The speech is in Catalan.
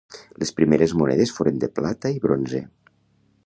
Les primeres monedes foren de plata i bronze.